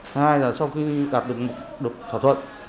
hai là sau khi đạt được thỏa thuận